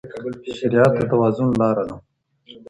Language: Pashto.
شريعت د توازن لاره ده.